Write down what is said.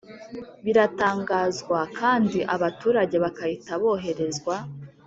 biratangazwa kandi abaturage bakahita boherezwa.